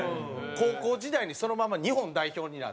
高校時代にそのまま日本代表になって。